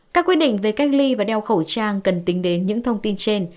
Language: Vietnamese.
các quy định về cách ly và đeo khẩu trang cần tính đến những thông tin trên